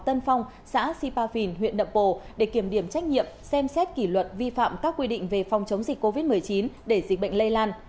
tân phong xã sipa phìn huyện nậm bồ để kiểm điểm trách nhiệm xem xét kỷ luật vi phạm các quy định về phòng chống dịch covid một mươi chín để dịch bệnh lây lan